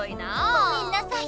ごめんなさい。